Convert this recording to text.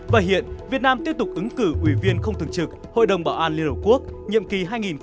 và hiện việt nam tiếp tục ứng cử ủy viên không thường trực hội đồng bảo an liên hợp quốc nhiệm kỳ hai nghìn hai mươi hai nghìn hai mươi một